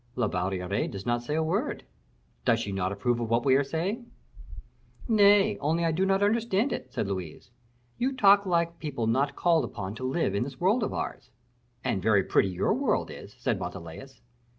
"La Valliere does not say a word." "Does she not approve of what we are saying?" "Nay; only I do not understand it," said Louise. "You talk like people not called upon to live in this world of ours." "And very pretty your world is," said Montalais.